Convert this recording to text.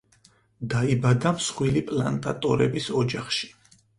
დაიბადა მსხვილი პლანტატორების ოჯახში.